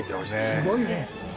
すごいね。